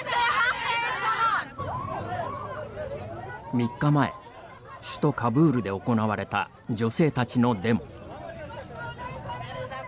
３日前首都カブールで行われた女性たちのデモ。